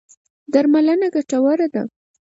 درملنه ګټوره ده.